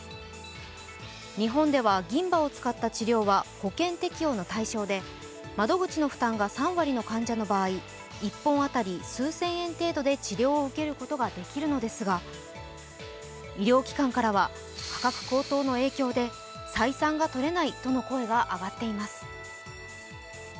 日本では銀歯を使った治療は保険適用の対象で窓口の負担が３割患者の場合、１本当たり数千円程度で治療を受けることが出来るのですが、医療機関からは価格高騰の影響で採算が取れないとの声が上っています。